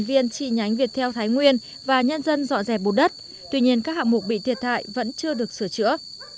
đoàn viên tri nhánh việt theo thái nguyên và nhân dân dọn dẹp bộ đất tuy nhiên các hạng mục bị thiệt hại vẫn chưa được sửa chữa